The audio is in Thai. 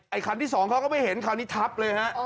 คันที่สองเขาก็ไม่เห็นคราวนี้ทับเลยฮะ